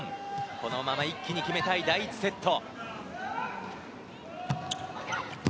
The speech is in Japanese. このまま一気に決めたい第１セット。